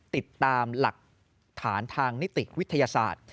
ติดตามหลักฐานทางนิติวิทยาศาสตร์